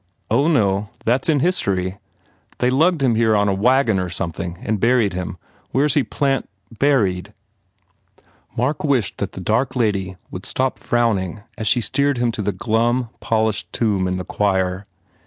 u Oh, no. That s in history. They lugged him here on a wagon or something and buried him. Where s he plant buried?" Mark wished that the dark lady would stop frowning as she steered him to the glum, polished tomb in the choir.